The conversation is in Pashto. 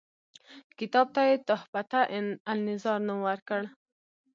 کتاب ته یې تحفته النظار نوم ورکړ.